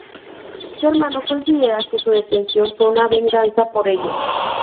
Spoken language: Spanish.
Su hermano considera que su detención fue una venganza por ello.